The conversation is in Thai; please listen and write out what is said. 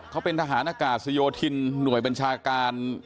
เขาเป็นทหารอากาศโยธินหน่วยบัญชาการ